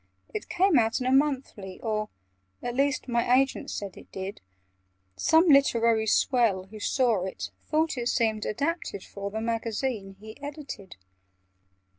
"It came out in a 'Monthly,' or At least my agent said it did: Some literary swell, who saw It, thought it seemed adapted for The Magazine he edited.